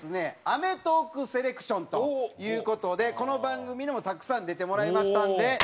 『アメトーーク』セレクションという事でこの番組にもたくさん出てもらいましたんで。